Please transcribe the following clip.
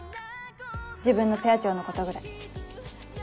自分のペア長のことぐらい。